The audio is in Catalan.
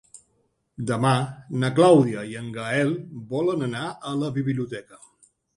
Demà na Clàudia i en Gaël volen anar a la biblioteca.